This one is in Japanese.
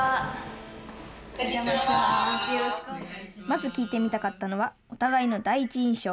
まず聞いてみたかったのはお互いの第一印象。